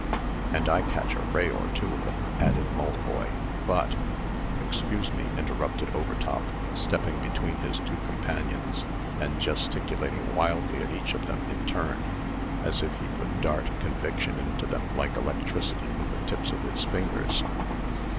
"And I catch a ray or two of it," added Maltboy. But " "Excuse me," interrupted Overtop, stepping between his two companions, and gesticulating wildly at each of them in turn, as if he would dart conviction into them like electricity from the tips of his fingers.